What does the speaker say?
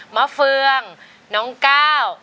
ขอบคุณครับ